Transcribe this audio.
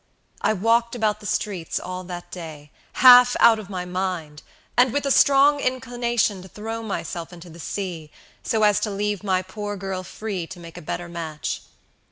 I walked about the streets all that day, half out of my mind, and with a strong inclination to throw myself into the sea, so as to leave my poor girl free to make a better match.